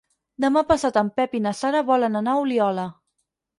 Demà passat en Pep i na Sara volen anar a Oliola.